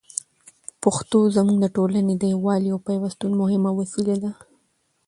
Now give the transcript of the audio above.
پښتو زموږ د ټولني د یووالي او پېوستون مهمه وسیله ده.